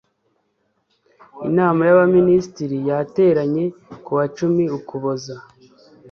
inama y abaminisitiri yateranye kuwa cumi ukuboza